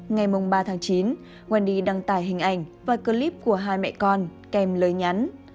ngày mông ba tháng chín wendy đăng tải hình ảnh và clip của hai mẹ con kèm lời nhắn